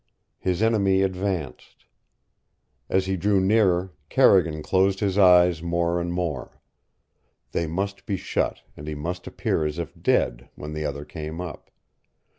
His enemy advanced. As he drew nearer, Carrigan closed his eyes more and more. They must be shut, and he must appear as if dead, when the other came up.